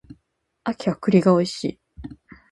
秋は栗が美味しい